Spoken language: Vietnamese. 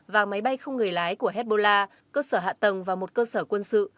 và máy bay không người lái của hezbollah cơ sở hạ tầng và một cơ sở quân sự